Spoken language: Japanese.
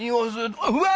うわ！